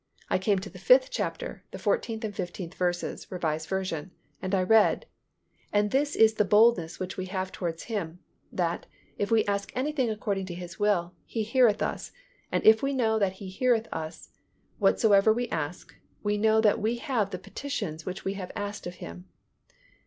I came to the fifth chapter, the fourteenth and fifteenth verses (R. V.) and I read, "And this is the boldness which we have towards Him, that, if we ask anything according to His will, He heareth us: and if we know that He heareth us whatsoever we ask, we know that we have the petitions which we have asked of Him."